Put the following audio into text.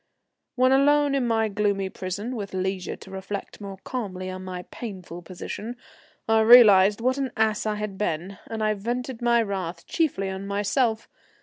When alone in my gloomy prison, with leisure to reflect more calmly on my painful position, I realized what an ass I had been, and I vented my wrath chiefly on myself.